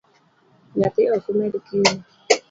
Nyathi ok med kilo?